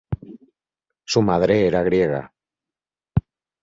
Su madre era griega.